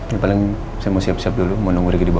ya paling saya mau siap siap dulu mau nunggu ricky dibawa